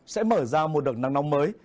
sẽ mở ra một đợt nắng nóng mới